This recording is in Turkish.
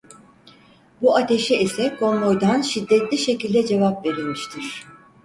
Bu ateşe ise konvoydan şiddetli şekilde cevap verilmiştir.